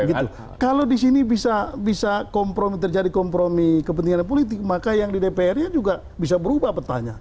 kalau di sini bisa kompromi terjadi kompromi kepentingan politik maka yang di dpr nya juga bisa berubah petanya